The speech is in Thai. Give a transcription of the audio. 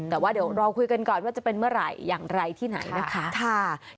แต่ว่าเดี๋ยวรอคุยกันก่อนว่าจะเป็นเมื่อไหร่อย่างไรที่ไหนนะคะ